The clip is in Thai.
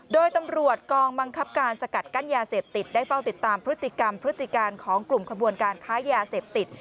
โดยตำรวจกองบังคับการสกัดกั้นยาเสพติดได้เฝ้าติดตามพฤติกรรมพฤติการของกลุ่มขบวนการค้ายาเสพติด